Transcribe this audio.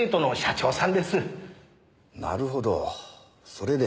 なるほどそれで。